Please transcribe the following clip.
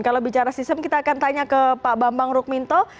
kalau bicara sistem kita akan tanya ke pak bambang rukminto